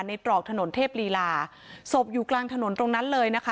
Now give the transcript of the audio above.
ตรอกถนนเทพลีลาศพอยู่กลางถนนตรงนั้นเลยนะคะ